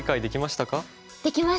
できました。